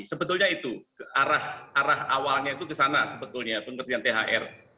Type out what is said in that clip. sebetulnya itu arah awalnya itu ke sana sebetulnya pengerjaan thr